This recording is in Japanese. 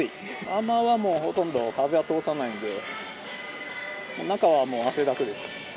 中はほとんど風は通さないんで、中はもう汗だくです。